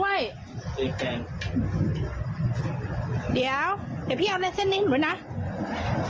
เดี๋ยวเดี๋ยวพี่เอาแม็กซ์เส้นนิดหน่อยนะ